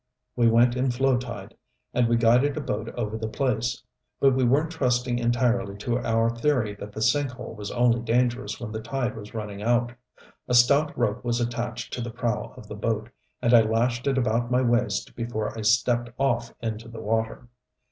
We went in flow tide, and we guided a boat over the place. But we weren't trusting entirely to our theory that the sink hole was only dangerous when the tide was running out. A stout rope was attached to the prow of the boat, and I lashed it about my waist before I stepped off into the water.